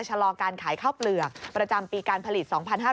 ชะลอการขายข้าวเปลือกประจำปีการผลิต๒๕๕๙